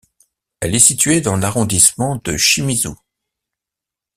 Elle est située dans l'arrondissement de Shimizu.